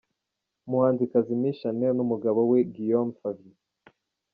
Umuhanzikazi Miss Shanel n’umugabo we Guillaume Favier.